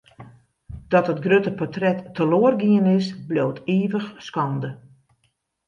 Dat it grutte portret teloar gien is, bliuwt ivich skande.